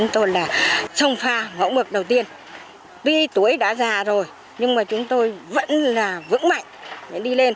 tuy tuổi đã già rồi nhưng mà chúng tôi vẫn là vững mạnh để đi lên